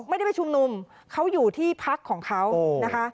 ไม่ได้ไปชุมนุมเขาอยู่ที่พักของเขานะคะ